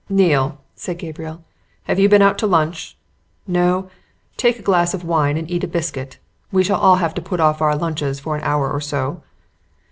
"Neale," said Gabriel, "have you been out to lunch? No? Take a glass of wine and eat a biscuit we shall all have to put off our lunches for an hour or so."